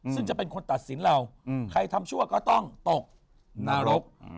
ซึ่งจะเป็นคนตัดสินเราใครทำชั่วก็ต้องตกนรก